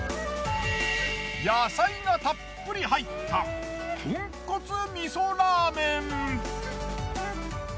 野菜がたっぷり入った豚骨みそラーメン。